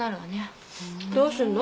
どうすんの？